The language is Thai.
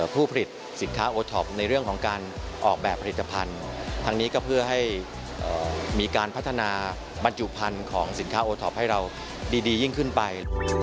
ผลิตภัณฑ์ทางนี้ก็เพื่อให้มีการพัฒนาบรรจุภัณฑ์ของสินค้าโอทอปให้เราดียิ่งขึ้นไป